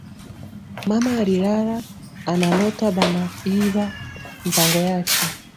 Mama ari lala ana lota bana iba mpango yake